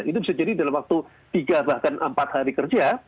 itu bisa jadi dalam waktu tiga bahkan empat hari kerja